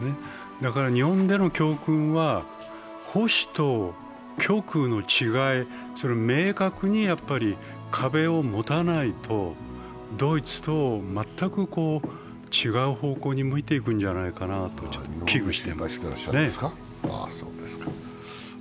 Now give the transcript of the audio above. だから日本での教訓は、保守と極右の違い、明確に壁に持たないと、ドイツと全く違う方向に向いていくんじゃないかと危惧しています。